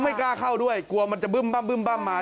ไม่กล้าเข้าด้วยกลัวมันจะบึ้มมา